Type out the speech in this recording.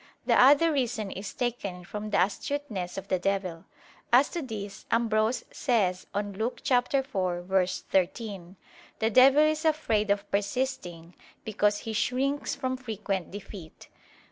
The other reason is taken from the astuteness of the devil. As to this, Ambrose says on Luke 4:13: "The devil is afraid of persisting, because he shrinks from frequent defeat."